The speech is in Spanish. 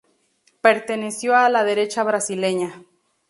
Perteneció a la derecha brasileña.